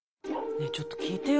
ねえちょっと聞いてよ